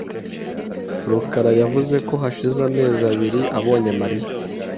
rukara yavuze ko hashize amezi abiri abonye Mariya .